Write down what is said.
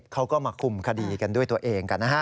เขาก็มาคุมคดีกันด้วยตัวเองกันนะฮะ